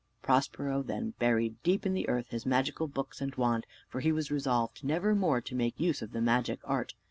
Prospero then buried deep in the earth his magical books and wand, for he was resolved never more to make use of the magic art.